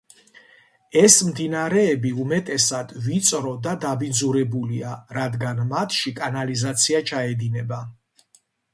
ეს მდინარეები უმეტესად ვიწრო და დაბინძურებულია, რადგან მათში კანალიზაცია ჩაედინება.